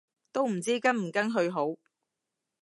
都唔知跟唔跟去好